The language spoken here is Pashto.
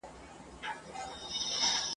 ستا یادیږي پوره شل وړاندي کلونه `